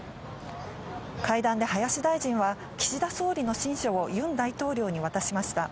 会談で林大臣は、岸田総理の親書をユン大統領に渡しました。